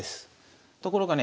ところがね